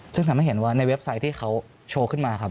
ซึ่งทำให้เห็นว่าในเว็บไซต์ที่เขาโชว์ขึ้นมาครับ